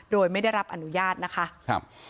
โดยไม่ได้รับอนุญาตนะคะ